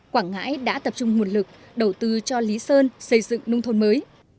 quảng ngãi đã tập trung nguồn lực đầu tư cho lý sơn xây dựng nông thôn mới